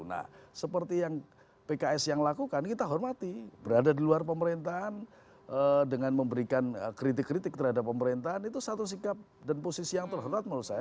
nah seperti yang pks yang lakukan kita hormati berada di luar pemerintahan dengan memberikan kritik kritik terhadap pemerintahan itu satu sikap dan posisi yang terhormat menurut saya